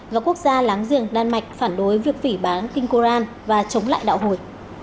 và quốc gia láng giềng đan mạch phản đối việc phỉ bán kinkoran và chống lại đạo hồi